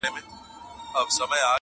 چي مېږي ته خدای په قار سي وزر ورکړي-